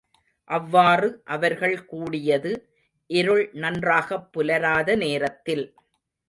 அவ்வாறு அவர்கள் கூடியது இருள் நன்றாகப் புலராத நேரத்தில்.